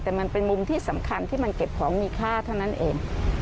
แต่มันเป็นมุมที่สำคัญที่มันเก็บของมีค่าเท่านั้นเอง